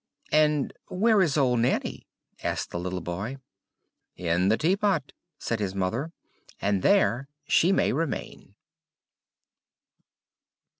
"And where is old Nanny?" asked the little boy. "In the tea pot," said his mother; "and there she may remain."